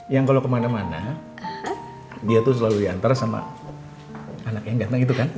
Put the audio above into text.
yang kalau kemana mana dia tuh selalu diantar sama anak yang datang itu kan